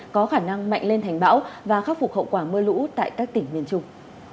có khả năng mạnh lên thành bão và khắc phục hậu quả mưa lũ tại các tỉnh miền trung